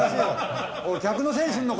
おい客のせいにするのか？